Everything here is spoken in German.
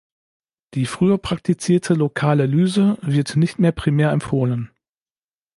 Die früher praktizierte lokale Lyse wird nicht mehr primär empfohlen.